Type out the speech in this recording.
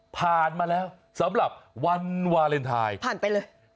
ผ่านมาแล้วสำหรับวันวาเลนไทยผ่านไปเลย